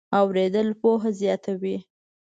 اورېدل پوهه زیاتوي.